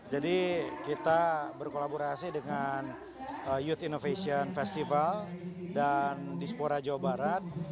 jadi kita berkolaborasi dengan youth innovation festival dan dispora jawa barat